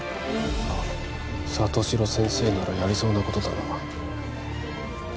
ああ里城先生ならやりそうなことだな